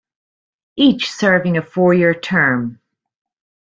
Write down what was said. Each serving a four-year term.